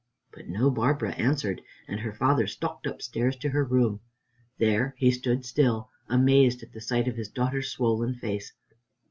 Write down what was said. But no Barbara answered, and her father stalked upstairs to her room. There he stood still, amazed at the sight of his daughter's swollen face.